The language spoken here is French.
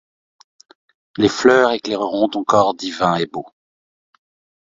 Les fleurs éclaireront ton corps divin et beau